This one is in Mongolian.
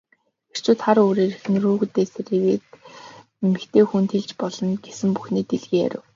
Эрчүүд хар үүрээр эхнэрүүдээ сэрээгээд эмэгтэй хүнд хэлж болно гэсэн бүхнээ дэлгэн ярив.